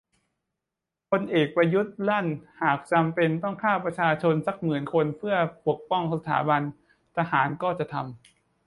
พลเอกประยุทธ์ลั่นหากจำเป็นต้องฆ่าประชาชนสักหมื่นคนเพื่อปกป้องสถาบัน"ทหารก็จะทำ"